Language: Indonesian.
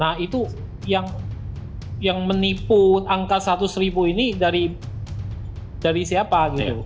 nah itu yang menipu angka seratus ribu ini dari siapa gitu